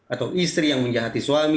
atau istri yang menjahati suami